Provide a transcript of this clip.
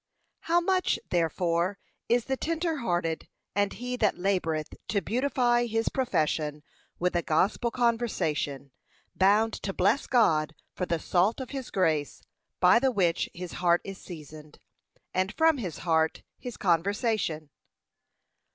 How much, therefore, is the tender hearted, and he that laboureth to beautify his profession with a gospel conversation, bound to bless God for the salt of his grace, by the which his heart is seasoned, and from his heart, his conversation.